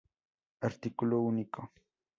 Artículo único.